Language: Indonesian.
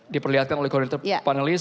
diperlihatkan oleh konektor panelis